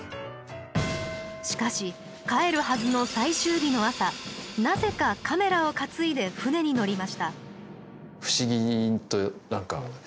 しかし、帰るはずの最終日の朝なぜかカメラを担いで船に乗りました。